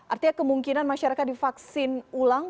artinya kemungkinan masyarakat di vaksin ulang